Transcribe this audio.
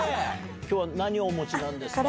今日は何をお持ちなんですか？